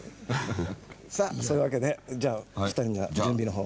さあそういうわけでじゃあ２人には準備の方を。